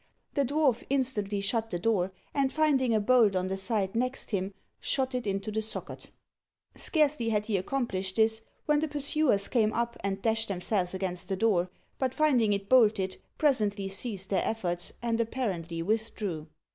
The dwarf instantly shut the door, and finding a bolt on the side next him, shot it into the socket. Scarcely had he accomplished this, when the pursuers came up, and dashed themselves against the door; but finding it bolted, presently ceased their efforts, and apparently withdrew.